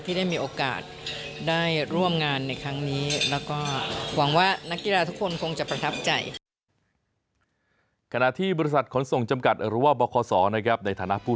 ที่ได้มีโอกาสได้ร่วมงานในครั้งนี้